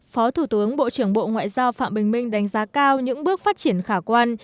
phó thủ tướng bộ trưởng bộ ngoại giao phạm bình minh đánh giá cao những bước phát triển khả quan